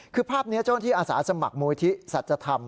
คือภาพนี้เจ้าที่อาสาสมัครมูลทิศัตรธรรม